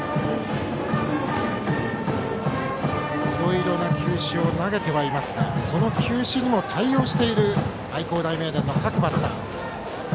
いろいろな球種を投げていますがその球種にも対応している愛工大名電の各バッター。